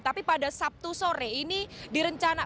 tapi pada sabtu sore ini direncanakan